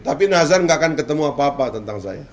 tapi nazar nggak akan ketemu apa apa tentang saya